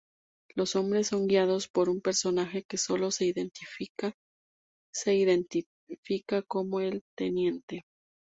Los hombres son guiados por un personaje que solo se identifica como "el Teniente".